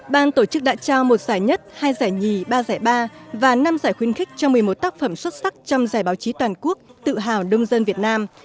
ban tổ chức đã trao một giải nhất hai giải nhì ba giải ba và năm giải khuyên khích cho một mươi một tác phẩm xuất sắc trong giải báo chí toàn quốc tự hào nông dân việt nam